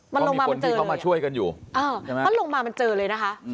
มันลงมามันเจอเลยเพราะลงมามันเจอเลยนะคะ